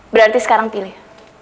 berarti sekarang pilih